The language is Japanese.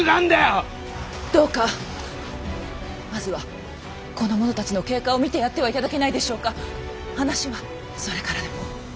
どうかまずはこの者たちの経過を見てやっては頂けないでしょうか！話はそれからでも。